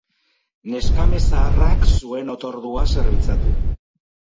Neskame zaharrak zuen otordua zerbitzatu.